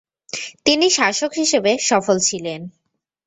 তিনি শাসক হিসেবে সফল ছিলেন।